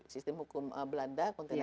sistem hukum belanda